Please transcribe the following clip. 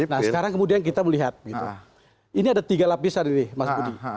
nah sekarang kemudian kita melihat ini ada tiga lapisan ini mas budi